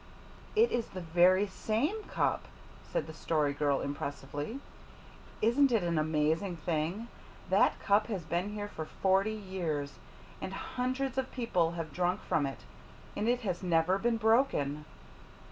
"It is the very same cup," said the Story Girl impressively. "Isn't it an amazing thing? That cup has been here for forty years, and hundreds of people have drunk from it, and it has never been broken.